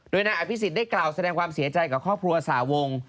โดยนายอภิษฎได้กล่าวแสดงความเสียใจกับครอบครัวสาวง